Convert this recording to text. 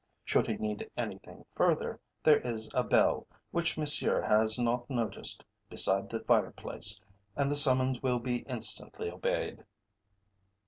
Should he need anything further, there is a bell, which Monsieur has not noticed, beside the fire place, and the summons will be instantly obeyed."